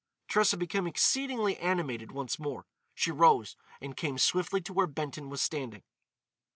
Tressa became exceedingly animated once more. She rose and came swiftly to where Benton was standing.